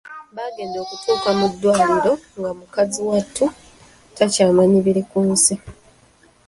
Baagenda okutuuka mu ddwaliro nga mukazi wattu takyamanyi biri ku nsi.